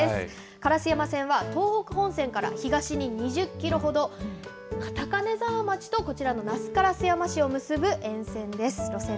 烏山線は東北本線から東に２０キロほど、高根沢町とこちらの那須烏山市を結ぶ路線です。